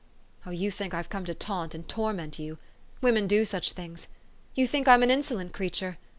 Oh, you think I've come to taunt and torment you ! Women do such things. You think I'm an insolent creature